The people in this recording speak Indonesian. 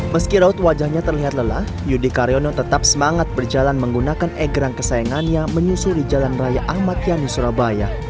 meski raut wajahnya terlihat lelah yudi karyono tetap semangat berjalan menggunakan egrang kesayangannya menyusuri jalan raya ahmad yani surabaya